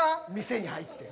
店に入って。